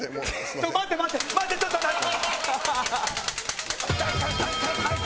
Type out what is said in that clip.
ちょっと待ってちょっと待って！